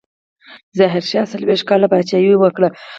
ظاهرشاه څلوېښت کاله پاچاهي وکړه.